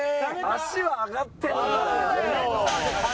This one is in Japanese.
足は上がってるんだよね。